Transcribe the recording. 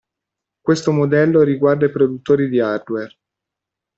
Questo modello riguarda i produttori di hardware.